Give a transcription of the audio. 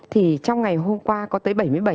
thì trong ngày hôm qua có tới bảy mươi bảy